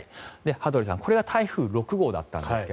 羽鳥さん、これは台風６号だったんですが。